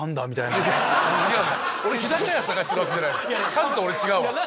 カズと俺違うわ。